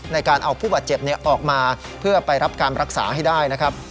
ในการเอาผู้บาดเจ็บออกมาเพื่อไปรับการรักษาให้ได้นะครับ